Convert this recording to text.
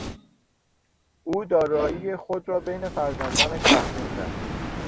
او دارایی خود را بین فرزندانش تقسیم کرد.